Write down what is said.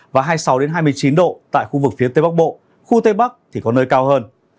và hai mươi sáu hai mươi chín độ tại khu vực phía tây bắc bộ khu tây bắc thì có nơi cao hơn